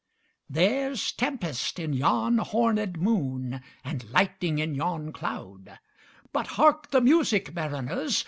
There's tempest in yon hornèd moon, And lightning in yon cloud:But hark the music, mariners!